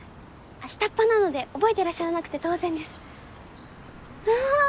下っ端なので覚えてらっしゃらなくて当然ですうわ！